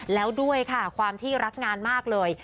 แล้วด้วยค่ะความที่รักงานมากเลย